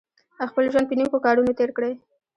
خپل ژوند په نېکو کارونو تېر کړئ.